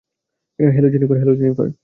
Hello, Jennifer.